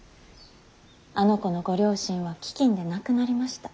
あの子のご両親は飢饉で亡くなりました。